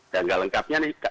dan tidak lengkapnya nih